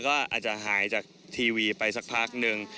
ก็อาจจะหายจากทีวีไปสักพักนึง